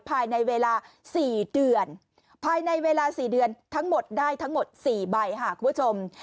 ภายในเวลา๔เดือนภายในเวลา๔เดือนทั้งหมดได้ทั้งหมด๔ใบค่ะคุณผู้ชม